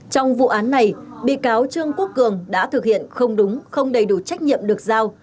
trong vụ án này bị cáo trương quốc cường đã thực hiện không đúng không đầy đủ trách nhiệm được giao